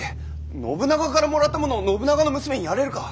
信長からもらったものを信長の娘にやれるか。